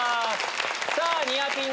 さぁニアピン！